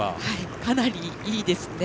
かなり、いいですね。